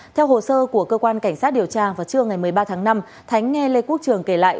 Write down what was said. theo hồ sơ của cơ quan cảnh sát điều tra vào trưa ngày một mươi ba tháng năm thánh nghe lê quốc trường kể lại